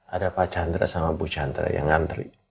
ada pak chandra sama bu chandra yang ngantri